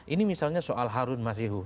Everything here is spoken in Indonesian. ini misalnya soal harun masihu